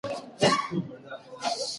موږ په ټولنه کې یوازې نه یو.